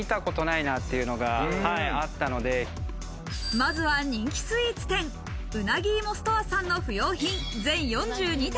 まずは人気スイーツ店、うなぎいもストアさんの不用品、全４２点。